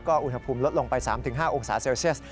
อุณหภูมิลดลงไป๓๕องศาเซลเซียส